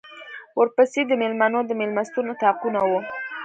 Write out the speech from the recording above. ورپسې د مېلمنو د مېلمستون اطاقونه و.